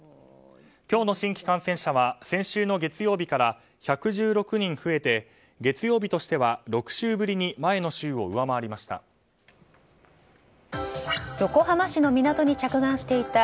今日の新規感染者は先週の月曜日から１１６人増えて月曜日としては６週ぶりに前の週を上回りました。